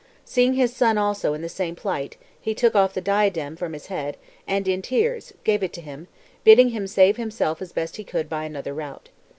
Seeing his son also in the same plight, he took off the diadem from his head and, in tears, gave it to him, bidding him save himself as best. he could by another route.